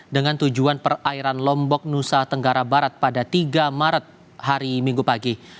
dengan tujuan perairan lombok nusa tenggara barat pada tiga maret hari minggu pagi